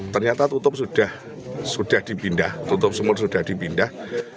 ternyata tutup sumur sudah dipindah